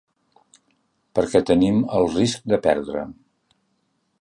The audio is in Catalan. Perquè tenim el risc de perdre.